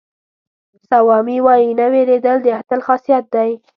سوامي وایي نه وېرېدل د اتل خاصیت دی.